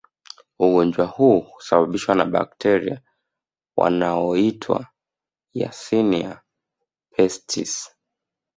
Ugonjwa huu husababishwa na bakteria wanaoitwa yersinia pestis